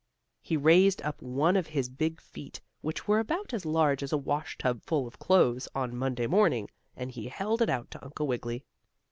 He raised up one of his big feet, which were about as large as a washtub full of clothes, on Monday morning, and he held it out to Uncle Wiggily.